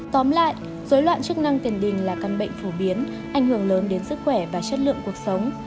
tóm lại dối loạn chức năng tiền đình là căn bệnh phổ biến ảnh hưởng lớn đến sức khỏe và chất lượng cuộc sống